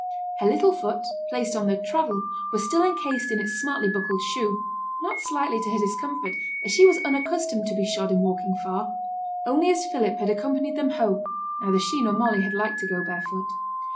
Her little foot, placed on the 'traddle', was still encased in its smartly buckled shoe not slightly to her discomfort, as she was unaccustomed to be shod in walking far; only as Philip had accompanied them home, neither she nor Molly had liked to go barefoot.